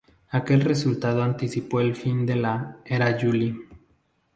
Aquel resultado anticipó el fin de la "era July".